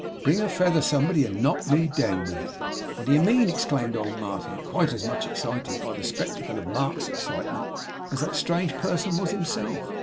Bring a feather, somebody, and knock me down with it!' 'What do you mean!' exclaimed old Martin, quite as much excited by the spectacle of Mark's excitement as that strange person was himself.